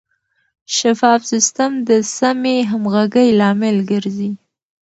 شفاف سیستم د سمې همغږۍ لامل ګرځي.